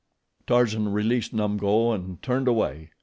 Tarzan released Numgo and turned away.